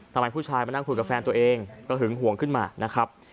ทำไมผู้ชายมานั่งคุยกับแฟนตัวเองก็หึงห่วงขึ้นมานะครับ